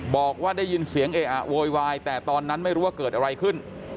บอกว่าได้ยินเสียงเออะโวยวายแต่ตอนนั้นไม่รู้ว่าเกิดอะไรขึ้น